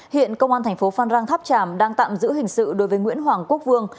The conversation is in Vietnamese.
hiện công an thành phố phan rang tháp tràm đang tạm giữ hình sự đối với nguyễn hoàng quốc vương